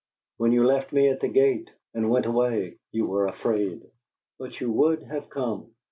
When you left me at the gate and went away, you were afraid. But you would have come."